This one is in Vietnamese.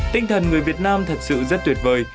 tinh thần người việt nam thật sự rất tuyệt vời